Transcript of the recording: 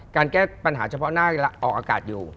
การแก้ปัญหาเฉพาะหน้าออกอากาศอยู่